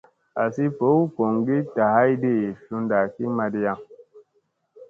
Asi ɓow goŋgi dahaydi sunɗa ki madiya.